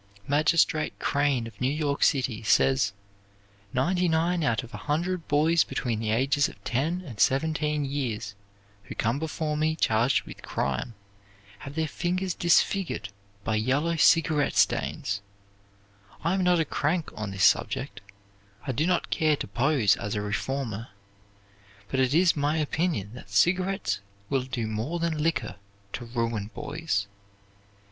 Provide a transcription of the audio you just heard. Magistrate Crane, of New York City, says: "Ninety nine out of a hundred boys between the ages of ten and seventeen years who come before me charged with crime have their fingers disfigured by yellow cigarette stains I am not a crank on this subject, I do not care to pose as a reformer, but it is my opinion that cigarettes will do more than liquor to ruin boys.